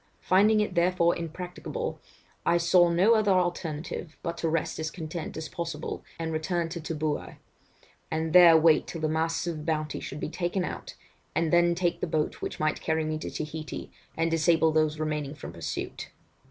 Finding it therefore impracticable, I saw no other alternative but to rest as content as possible and return to Tooboui, and there wait till the masts of the Bounty should be taken out, and then take the boat which might carry me to Taheité, and disable those remaining from pursuit.